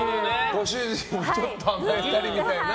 ご主人にちょっと甘えたりみたいな？